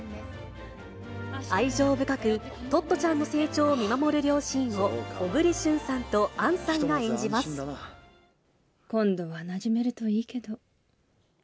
愛情深くトットちゃんの成長を見守る両親を小栗旬さんと杏さんが今度はなじめるといいけど。